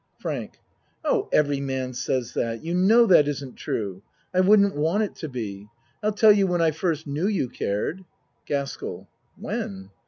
FRANK Oh, every man says that. You know that isn't true. I wouldn't want it to be. I'll tell you when I first knew you cared. GASKELL When